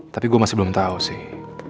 tapi gue masih belum tahu sih